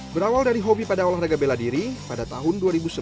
berawal dari hobi pada olahraga bela diri pada tahun dua ribu sebelas